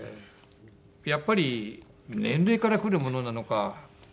やっぱり年齢からくるものなのか。